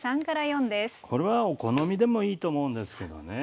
これはお好みでもいいと思うんですけどね。